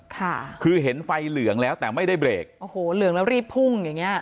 ค่ะคือเห็นไฟเหลืองแล้วแต่ไม่ได้เบรกโอ้โหเหลืองแล้วรีบพุ่งอย่างเงี้